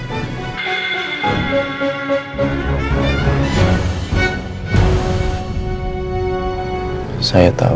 jadi membuat saya melakukan itu